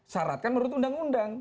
syarat kan menurut undang undang